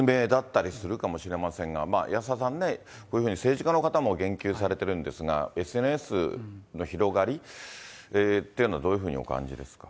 それが実名だったりするかもしれませんが、まあ、安田さんね、こういうふうに政治家の方も言及されてるんですが、ＳＮＳの広がりっていうの、どういうふうにお感じですか。